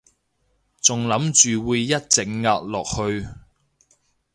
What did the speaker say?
仲諗住會一直壓落去